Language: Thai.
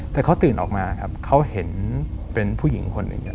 แต่เขาตื่นออกมาครับเขาเห็นเป็นผู้หญิงคนหนึ่ง